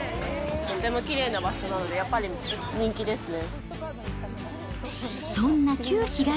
とてもきれいな場所なので、やっぱり人気ですね。